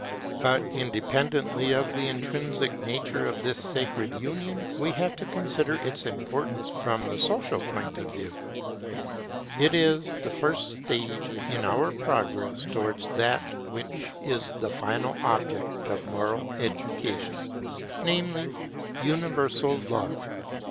But independently of the intrinsic value of this sacred union, we have to consider its importance from the social point of view. It is the first stage in our progress towards that which is the final object of moral education, namely, universal love.